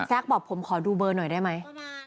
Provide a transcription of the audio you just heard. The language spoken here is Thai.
บอกผมขอดูเบอร์หน่อยได้ไหม